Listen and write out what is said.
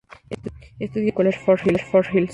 Estudió en el Jersey College for Girls.